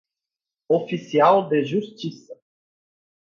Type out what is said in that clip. oficial de justiça